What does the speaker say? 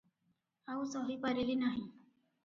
ଆଉ ସହି ପାରିଲି ନାହିଁ ।